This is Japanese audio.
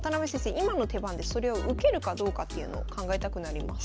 今の手番でそれを受けるかどうかっていうのを考えたくなります。